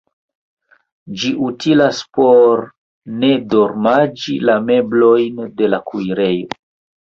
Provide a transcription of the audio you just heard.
Ĝi utilas por ne damaĝi la meblojn de la kuirejo.